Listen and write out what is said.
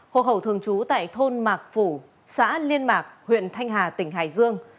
hộ khẩu thường trú tại thôn mạc phủ xã liên mạc huyện thanh hà tỉnh hải dương